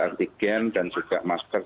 antigen dan juga masker